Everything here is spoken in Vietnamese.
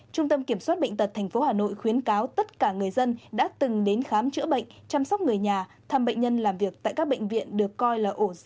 trung tâm kiểm soát bệnh tật tp hà nội khuyến cáo tất cả người dân đã từng đến khám chữa bệnh chăm sóc người nhà thăm bệnh nhân làm việc tại các bệnh viện được coi là ổ dịch